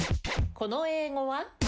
この英語は？